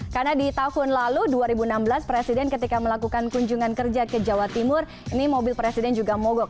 karena di tahun lalu dua ribu enam belas presiden ketika melakukan kunjungan kerja ke jawa timur ini mobil presiden juga mogok